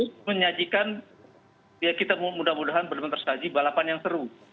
untuk menyajikan ya kita mudah mudahan benar benar tersaji balapan yang seru